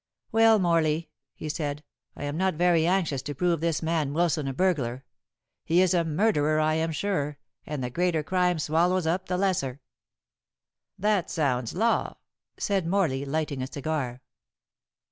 "Well, Morley," he said, "I am not very anxious to prove this man Wilson a burglar. He is a murderer, I am sure, and the greater crime swallows up the lesser." "That sounds law," said Morley, lighting a cigar.